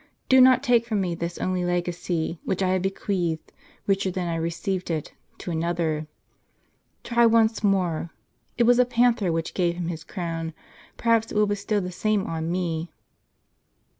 Do not take from me this only legacy, which I have bequeathed, richer than I received it, to another. Try once more ; it was a panther Avhich gave him his crown ; perhaps it will bestow the same on me."